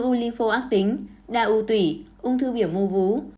ulympho ác tính đa u tủy ung thư biểu mô vú